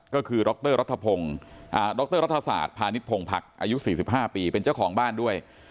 ก็คือดรดรรัฐศาสตร์พาณิชพงพักอายุ๔๕ปีเป็นเจ้าของบ้านด้วย